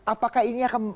apakah ini akan